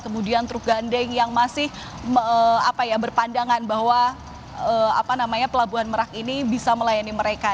kemudian truk gandeng yang masih berpandangan bahwa pelabuhan merak ini bisa melayani mereka